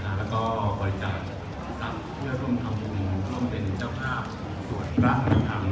และก็บริจารณ์ทรัพย์เพื่อร่วมทำงุมร่วมเป็นเจ้าภาพสวัสดิ์รักษณฑรรม